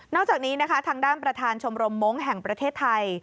จากนี้นะคะทางด้านประธานชมรมมงค์แห่งประเทศไทย